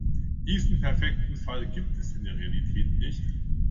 Diesen perfekten Fall gibt es in der Realität nicht.